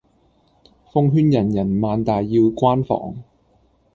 奉勸人人萬大要關防